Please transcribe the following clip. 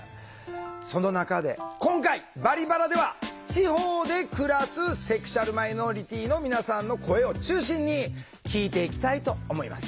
その中で今回「バリバラ」では地方で暮らすセクシュアルマイノリティーの皆さんの声を中心に聞いていきたいと思います。